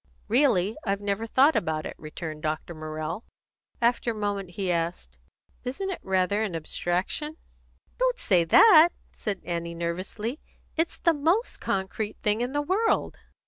"Really, I've never thought about it," returned Dr. Morrell. After a moment he asked, "Isn't it rather an abstraction?" "Don't say that!" said Annie nervously. "It's the most concrete thing in the world!"